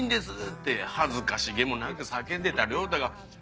って恥ずかしげもなく叫んでた亮太が。